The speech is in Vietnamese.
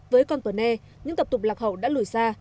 với con tuấn e những tập tục lạc hậu đã lùi xa